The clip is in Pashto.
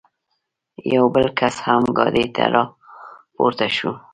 یو بل کس هم ګاډۍ ته را پورته شو.